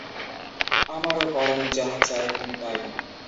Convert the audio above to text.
আমার পরাণ যাহা চায়, তুমি তাই।